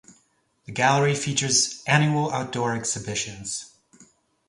The gallery features annual outdoor exhibitions.